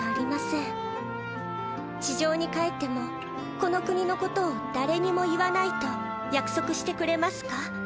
地上に帰ってもこの国のことを誰にも言わないと約束してくれますか。